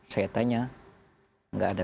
saya tanya enggak ada